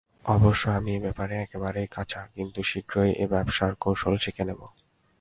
অবশ্য আমি এ ব্যাপারে একেবারেই কাঁচা, কিন্তু শীঘ্রই এ ব্যবসার কৌশল শিখে নেব।